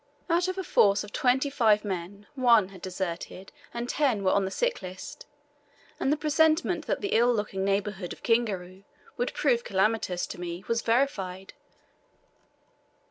Out of a force of twenty five men one had deserted, and ten were on the sick list, and the presentiment that the ill looking neighbourhood of Kingaru would prove calamitous to me was verified.